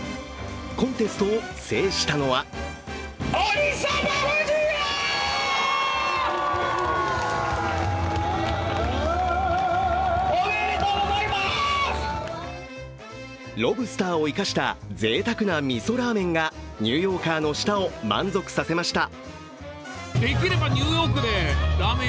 コンテストを制したのはロブスターを生かしたぜいたくなみそラーメンがニューヨーカーの舌を満足させました。